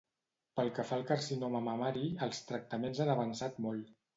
Pel que fa al carcinoma mamari, els tractaments han avançat molt.